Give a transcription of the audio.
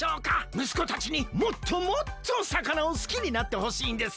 むすこたちにもっともっと魚を好きになってほしいんです。